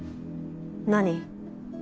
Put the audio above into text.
何？